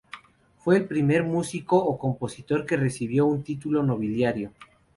Fue el primer músico o compositor que recibió un título nobiliario.